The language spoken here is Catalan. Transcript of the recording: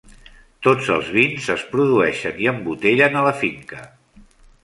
Tots els vins és produeixen i embotellen a la finca.